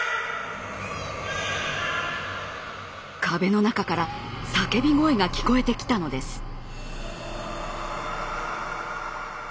壁の中から叫び声が聞こえてきたのです。